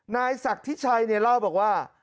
นายศักดิ์ทิชัยเนี่ยเล่าบอกว่า